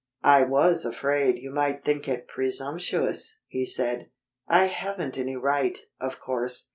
"I was afraid you might think it presumptuous," he said. "I haven't any right, of course.